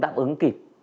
đáp ứng kịp